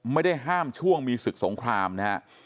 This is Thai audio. ไม่ได้ห้ามช่วงมีศึกสงครามนะฮะ